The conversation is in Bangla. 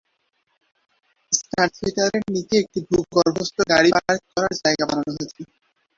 স্টার থিয়েটারের নিচে একটি ভূগর্ভস্থ গাড়ি পার্ক করার জায়গা বানানো হয়েছে।